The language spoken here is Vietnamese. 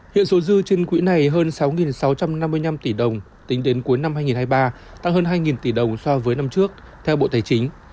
hiện số dư trên quỹ này hơn sáu sáu trăm năm mươi năm tỷ đồng tính đến cuối năm hai nghìn hai mươi ba tăng hơn hai tỷ đồng so với năm trước theo bộ tài chính